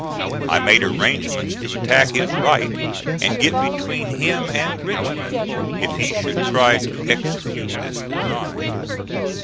I made arrangements to attack his right and get between him and Richmond if he should try to execute this design.